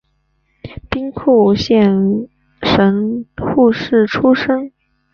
兵库县神户市出身。